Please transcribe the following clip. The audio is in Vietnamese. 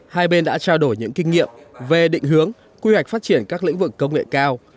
hai bên đã trao đổi những kinh nghiệm về định hướng quy hoạch phát triển các lĩnh vực công nghệ cao